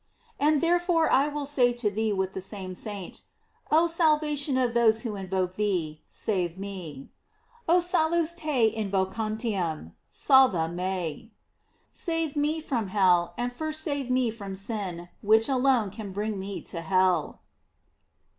And there fore will I say to thee with the same saint: Oh salvation of those who invoke thee, save me: "O salus te invocantium, salva me." Save me from hell, and first save me from sin, which alone can bring me to hell.